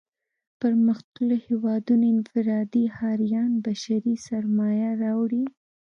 پرمختلليو هېوادونو انفرادي ښاريان بشري سرمايه راوړي.